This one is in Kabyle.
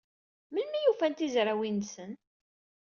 Melmi ay fuken tizrawin-nsen?